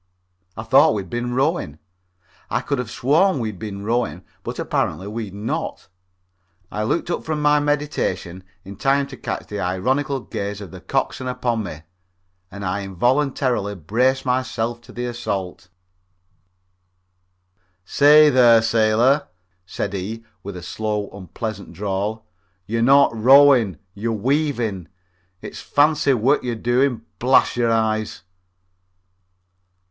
I thought we had been rowing. I could have sworn we had been rowing, but apparently we had not. I looked up from my meditation in time to catch the ironical gaze of the coxswain upon me, and I involuntarily braced myself to the assault. [Illustration: "THE PROCEDURE, OF COURSE, DID NOT GO UNNOTICED"] "Say, there, sailor," said he, with a slow, unpleasant drawl, "you're not rowing; you're weaving. It's fancy work you're doing, blast yer eyes!"